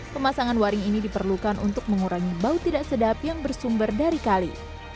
pemasangan waring ini diperlukan untuk mengurangi bau tidak sedap yang bersumber dari kali